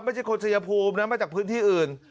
ไม่ใช่คนชายภูมินะมาจากพื้นที่อื่น